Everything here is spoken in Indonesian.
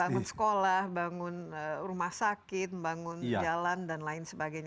bangun sekolah bangun rumah sakit membangun jalan dan lain sebagainya